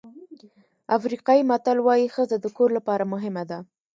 افریقایي متل وایي ښځه د کور لپاره مهمه ده.